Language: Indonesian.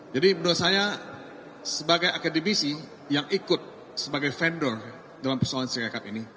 jadi menurut saya sebagai akademisi yang ikut sebagai vendor dalam persoalan sirekap ini